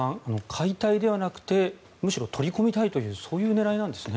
解体ではなくむしろ取り込みたいというそういう狙いなんですね。